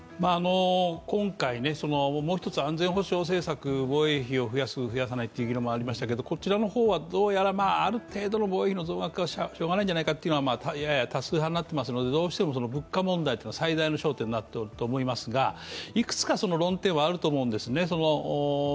今回、もう一つ安全保障政策、防衛費を増やす、増やさないという議論もありましたけどこちらの方はある程度防衛費の増額はしようがないんじゃないかというのが、やや多数派になっていますがどうしても物価問題というのは最大の焦点になっていると思うんですがいくつか論点はあると思うんですね。